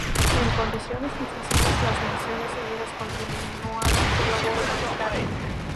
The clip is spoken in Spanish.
En condiciones difíciles, las Naciones Unidas continuaron su labor humanitaria.